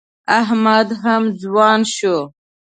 احمد هم ځوان شو.